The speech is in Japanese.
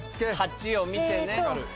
８を見てね。